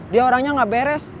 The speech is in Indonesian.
dia orangnya gak beres